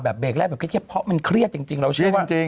เบรกแรกแบบเครียดเพราะมันเครียดจริงเราเชื่อว่า